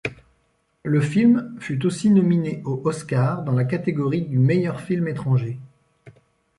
Le film fut aussi nominé au Oscar dans la catégorie du meilleur film étranger.